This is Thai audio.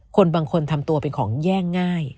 คนบางคนทำตัวเป็นของแย่งง่าย